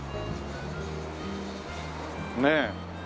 ねえ。